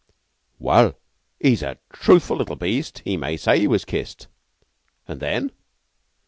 "Well! He's a truthful little beast. He may say he was kissed." "And then?"